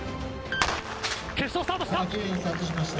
決勝、スタートした！